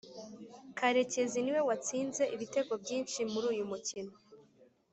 Karekezi niwe watsinze ibitego byishi muruyu mukino